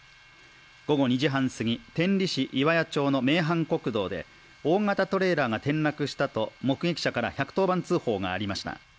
午後２時半すぎ、天理市岩屋町の名阪国道で、大型トレーラーが転落したと目撃者から１１０番通報がありました。